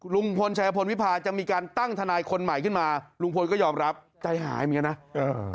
ลุงพลชายพลวิพาจะมีการตั้งทนายคนใหม่ขึ้นมาลุงพลก็ยอมรับใจหายเหมือนกันนะเออ